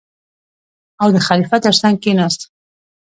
او د خلیفه تر څنګ کېناست.